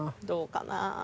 どうかな。